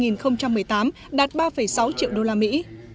năm hai nghìn một mươi tám đạt ba sáu triệu đô la mỹ